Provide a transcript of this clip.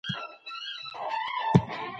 تاسو باید د خوړو د برابرولو پر مهال دستکشې وکاروئ.